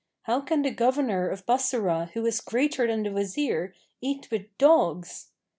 How can the governor of Bassorah who is greater than the Wazir, eat with dogs?'